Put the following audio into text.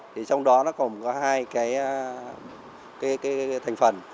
trong đó nó còn có hai thành phần